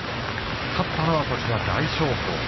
勝ったのは大翔鵬。